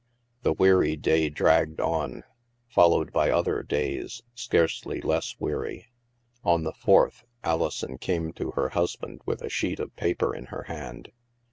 The weary day dragged on, followed by other days scarcely less weary. On the fourth, Alison came to her husband with a sheet of paper in her hand.